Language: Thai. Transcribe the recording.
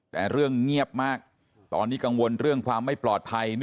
แต่เรื่องเงียบมากตอนนี้กังวลเรื่องความไม่ปลอดภัย